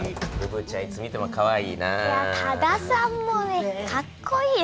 いや多田さんもかっこいいよ。